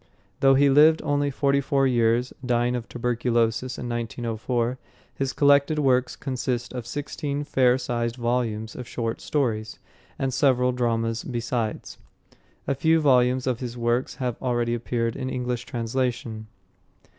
Though he lived only forty four years, dying of tuberculosis in 1904, his collected works consist of sixteen fair sized volumes of short stories, and several dramas besides. A few volumes of his works have already appeared in English translation.